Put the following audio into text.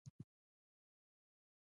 سند امیر د افغانانو واکمني په رسمیت پېژندل.